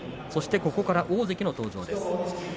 ここから大関の登場です。